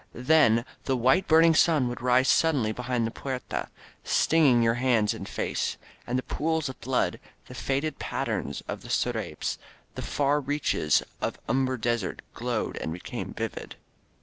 Then the white, burning sun would rise suddenly behind the Puerta, stinging your hands and face. And the pools of blood, the faded patterns of the scrapes, the far reaches of umber desert glowed and became vivid.